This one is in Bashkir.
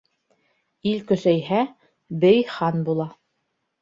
Ил көсәйһә, бей хан була.